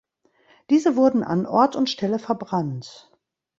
Diese wurden an Ort und Stelle verbrannt.